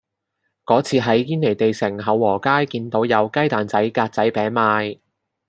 嗰次喺堅尼地城厚和街見到有雞蛋仔格仔餅賣